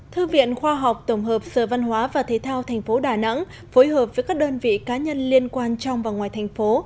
thư viện khoa học tổng hợp sở văn hóa và thế thao thành phố đà nẵng phối hợp với các đơn vị cá nhân liên quan trong và ngoài thành phố